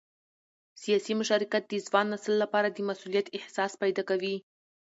سیاسي مشارکت د ځوان نسل لپاره د مسؤلیت احساس پیدا کوي